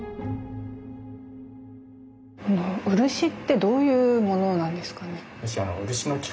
漆ってどういうものなんですかね？